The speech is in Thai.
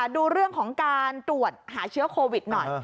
ดูเรื่องของการตรวจหาเชื้อโควิดหน่อย